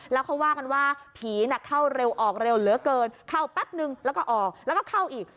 แล้วเขาว่ากันว่าผีน่ะเข้าเร็วออกเร็วเหลือเกินเข้าแป๊บนึงแล้วก็ออกแล้วก็เข้าอีก